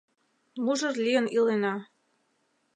Мужыр лийын илена.